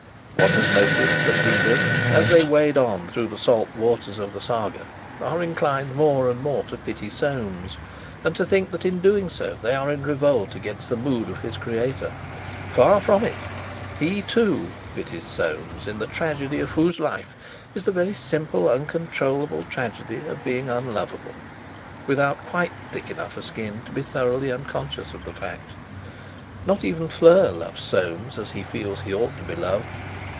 One has noticed that readers, as they wade on through the salt waters of the Saga, are inclined more and more to pity Soames, and to think that in doing so they are in revolt against the mood of his creator. Far from it! He, too, pities Soames, the tragedy of whose life is the very simple, uncontrollable tragedy of being unlovable, without quite a thick enough skin to be thoroughly unconscious of the fact. Not even Fleur loves Soames as he feels he ought to be loved.